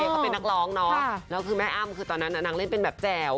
เขาเป็นนักร้องเนาะแล้วคือแม่อ้ำคือตอนนั้นนางเล่นเป็นแบบแจ่ว